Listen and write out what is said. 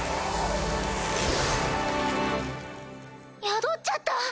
宿っちゃった！